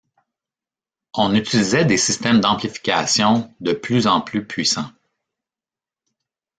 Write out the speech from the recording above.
On utilisait des systèmes d'amplification de plus en plus puissants.